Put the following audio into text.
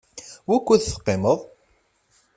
Wukud teqqimeḍ?